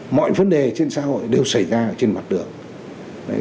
mọi vấn đề trên xã hội đều xảy ra ở trên mặt đường